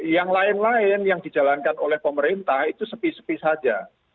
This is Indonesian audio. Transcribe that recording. yang lain lain yang dijalankan oleh pemerintah itu sepi sepi saja